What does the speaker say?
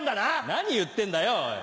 何言ってんだよおい。